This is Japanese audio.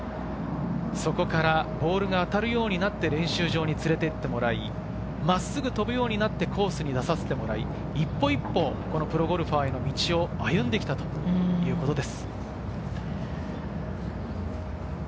そこからボールが当たるようになって練習場に連れて行ってもらい、真っすぐ飛ぶようになってコースに出させてもらい、一歩一歩プロゴルファーへの道を歩んできたということです。